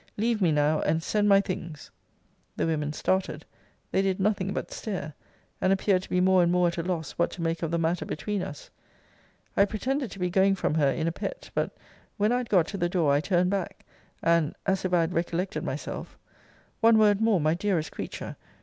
Leave me now, and send my things. The women started. They did nothing but stare; and appeared to be more and more at a loss what to make of the matter between us. I pretended to be going from her in a pet; but, when I had got to the door, I turned back; and, as if I had recollected myself One word more, my dearest creature!